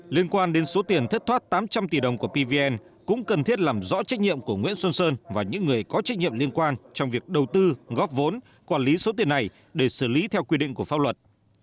liên quan đến số tiền thất thoát tám trăm linh tỷ đồng của pvn cũng cần thiết làm rõ trách nhiệm của nguyễn xuân sơn và những người có trách nhiệm liên quan trong việc đầu tư góp vốn quản lý số tiền này để xử lý theo quy định của pháp luật